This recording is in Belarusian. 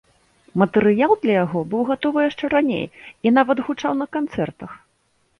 Матэрыял для яго быў гатовы яшчэ раней і, нават, гучаў на канцэртах.